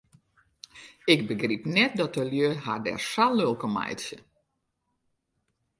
Ik begryp net dat de lju har dêr sa lilk om meitsje.